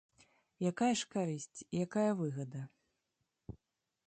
Якая ж карысць, якая выгада?